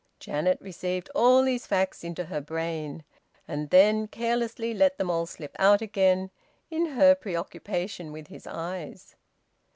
Janet received all these facts into her brain, and then carelessly let them all slip out again, in her preoccupation with his eyes.